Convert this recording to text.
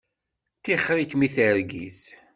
Tixeṛ-ikem i targit.